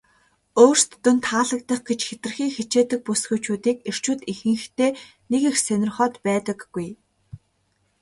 өөрсдөд нь таалагдах гэж хэтэрхий хичээдэг бүсгүйчүүдийг эрчүүд ихэнхдээ нэг их сонирхоод байдаггүй.